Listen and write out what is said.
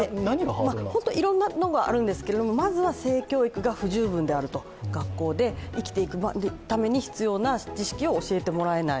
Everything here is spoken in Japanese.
本当にいろんなのがあるんですけど、まずは性教育が不十分である学校で生きていくために必要な知識を教えてもらえない。